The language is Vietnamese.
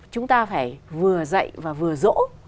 chúng ta phải vừa dạy và vừa dỗ